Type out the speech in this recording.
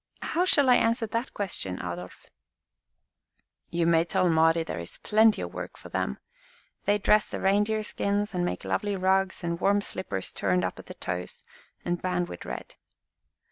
How shall I answer that question, Adolf?" "You may tell Mari there is plenty of work for them. They dress the reindeer skins, and make lovely rugs and warm slippers turned up at the toes and bound with red."